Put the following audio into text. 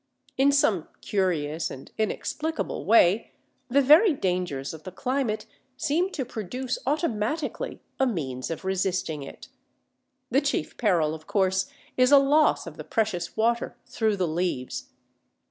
In some curious and inexplicable way the very dangers of the climate seem to produce automatically a means of resisting it. The chief peril, of course, is a loss of the precious water through the leaves.